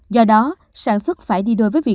do đó sản xuất phải đi đôi với việc